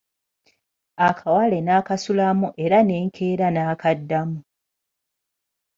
Akawale nakasulamu era n'enkeera n'akaddamu.